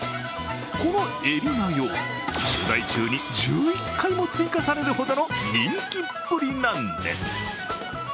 このエビマヨ、取材中に１１回も追加されるほどの人気っぷりなんです。